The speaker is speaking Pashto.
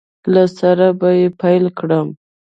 له سره به یې پیل کړم